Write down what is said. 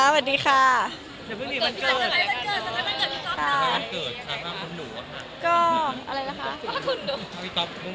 พิกับเพื่อนน้องหนูอยู่แล้วเข้าไป